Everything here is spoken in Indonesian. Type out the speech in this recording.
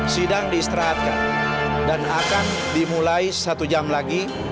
sidang diistirahatkan dan akan dimulai satu jam lagi